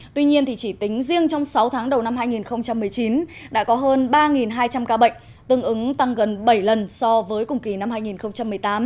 tuy nhiên chỉ tính riêng trong sáu tháng đầu năm hai nghìn một mươi chín đã có hơn ba hai trăm linh ca bệnh tương ứng tăng gần bảy lần so với cùng kỳ năm hai nghìn một mươi tám